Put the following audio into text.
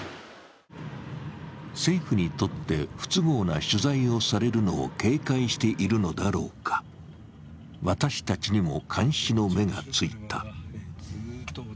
政府にとって不都合な取材をされるのを警戒しているのだろうか、私たちにも監視の目がついた。